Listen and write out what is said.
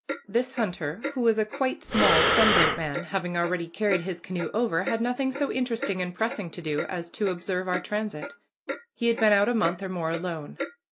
This hunter, who was a quite small, sunburnt man, having already carried his canoe over, had nothing so interesting and pressing to do as to observe our transit. He had been out a month or more alone.